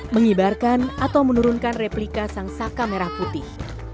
mengibarkan atau menurunkan replika sang saka merah putih